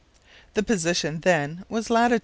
The position then was lat.